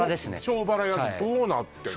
庄原焼きどうなってんの？